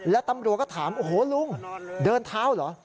และตำรวจก็ถามโอ้โหลุงเดินเท้าเหรอ